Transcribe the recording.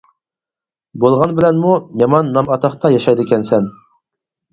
بولغان بىلەنمۇ يامان نام ئاتاقتا ياشايدىكەنسەن.